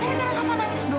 ternyata kava nangis doang